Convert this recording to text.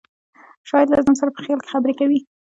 شاعر له ځان سره په خیال کې خبرې کوي